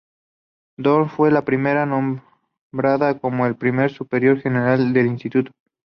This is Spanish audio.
Dorn fue la primera nombrada como la primera superiora general del instituto.